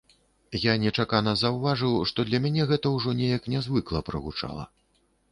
Я нечакана заўважыў, што для мяне гэта ўжо неяк нязвыкла прагучала.